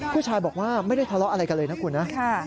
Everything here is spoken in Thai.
ผู้ชายบอกว่าไม่ได้ทะเลาะอะไรกันเลยนะคุณนะ